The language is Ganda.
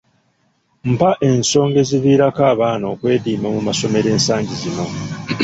Mpa ensonga eziviirako abaana okwediima mu masomero ensangi zino.